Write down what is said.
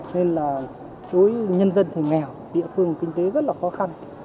nên là với nhân dân thì nghèo địa phương kinh tế rất là khó khăn